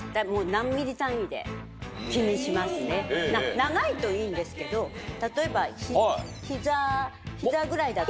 長いといいんですけど例えば膝ぐらいだと。